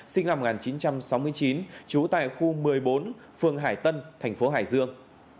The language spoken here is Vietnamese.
sinh năm một nghìn chín trăm sáu mươi chín trú tại khu một mươi bốn phường hải tân thành phố hải dương